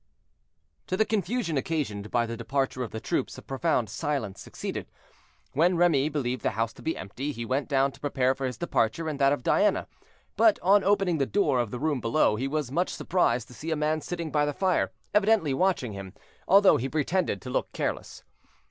To the confusion occasioned by the departure of the troops a profound silence succeeded. When Remy believed the house to be empty, he went down to prepare for his departure and that of Diana; but on opening the door of the room below, he was much surprised to see a man sitting by the fire, evidently watching him, although he pretended to look careless.